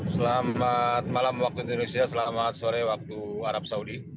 selamat malam waktu indonesia selamat sore waktu arab saudi